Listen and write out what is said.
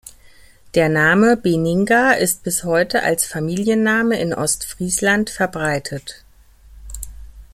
Der Name Beninga ist bis heute als Familienname in Ostfriesland verbreitet.